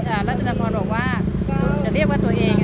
พี่รัฐจันทรพรบอกว่าจะเรียกว่าตัวเอง